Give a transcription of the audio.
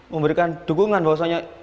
memberikan dukungan bahwasanya